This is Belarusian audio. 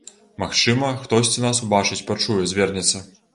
Магчыма, хтосьці нас убачыць, пачуе, звернецца.